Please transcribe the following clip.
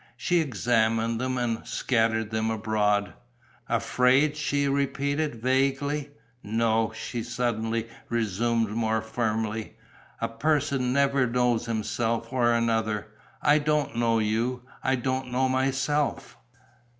She examined them and scattered them abroad: "Afraid?" she repeated, vaguely. "No," she suddenly resumed, more firmly. "A person never knows himself or another. I don't know you, I don't know myself."